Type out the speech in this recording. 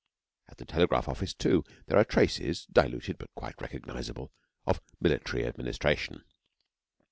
At the telegraph office, too, there are traces, diluted but quite recognisable, of military administration.